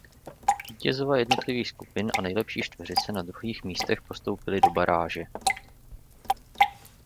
Vítězové jednotlivých skupin a nejlepší čtveřice na druhých místech postoupili do baráže.